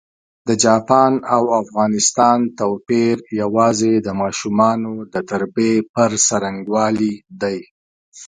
د چاپان او افغانستان توپېر یوازي د ماشومانو د تربیې پر ځرنګوالي دی.